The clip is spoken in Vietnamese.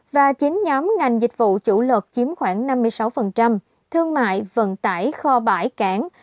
và chín nhóm ngành dịch vụ chủ lực chiếm khoảng năm mươi sáu thương mại vận tải kho bãi cảng